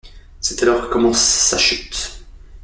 C'est alors que commence sa chute.